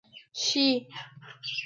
شې.